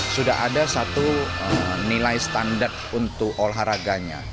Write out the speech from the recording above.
sudah ada satu nilai standar untuk olahraganya